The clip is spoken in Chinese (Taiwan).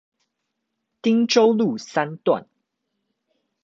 汀州路三段